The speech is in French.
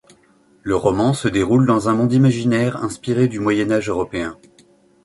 Le roman se déroule dans un monde imaginaire inspiré du Moyen Âge européen.